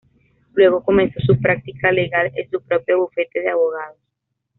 Luego comenzó su práctica legal en su propio bufete de abogados.